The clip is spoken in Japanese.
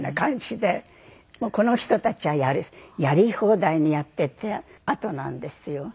この人たちはやり放題にやっていたあとなんですよ。